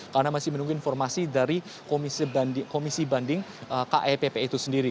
karena masih menunggu informasi dari komisi banding kepp itu sendiri